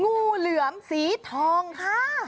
งูเหลือมสีทองค่ะ